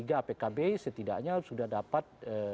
apkb setidaknya sudah dapat tiga